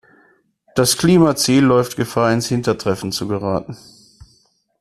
Das Klimaziel läuft Gefahr, ins Hintertreffen zu geraten.